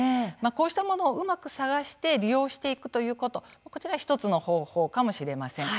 こうしたものをうまく探して利用していくということ１つの方法かもしれません。